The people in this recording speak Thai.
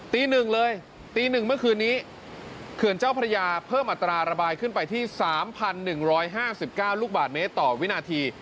ตีหนึ่งเลยตีหนึ่งเมื่อคืนนี้เคือนเจ้าพระยาเพิ่มอัตราระบายขึ้นไปที่สามพันหนึ่งร้อยห้าสิบเก้าลูกบาทเมตรต่อวินาที